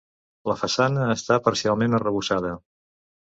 La façana està parcialment arrebossada.